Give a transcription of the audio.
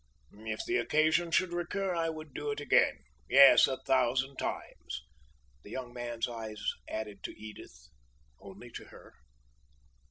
"If the occasion could recur, I would do it again! Yes, a thousand times!" the young man's eyes added to Edith only to her.